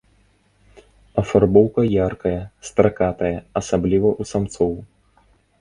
Афарбоўка яркая, стракатая, асабліва у самцоў.